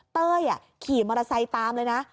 เต้ยขี่มอเวอเซจตามเลยน่ะ